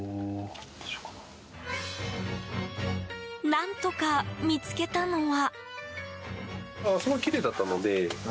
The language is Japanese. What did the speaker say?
何とか見つけたのは。